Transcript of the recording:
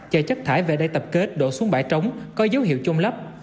chờ chất thải về đây tập kết đổ xuống bãi trống có dấu hiệu trôn lấp